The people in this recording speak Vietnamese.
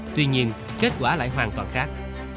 tuy nhiên kết quả lại hoàn toàn khác